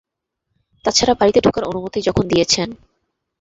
তাছাড়া বাড়িতে ঢোকার অনুমতি যখন দিয়েছেন।